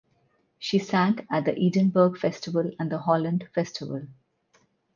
She sang at the Edinburgh Festival and the Holland Festival.